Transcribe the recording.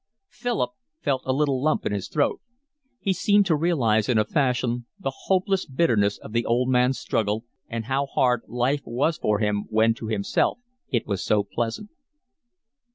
Philip felt a little lump in his throat. He seemed to realise in a fashion the hopeless bitterness of the old man's struggle, and how hard life was for him when to himself it was so pleasant.